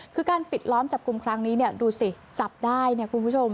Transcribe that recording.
คือการปิดล้อมจับกลุ่มครั้งนี้เนี่ยดูสิจับได้เนี่ยคุณผู้ชม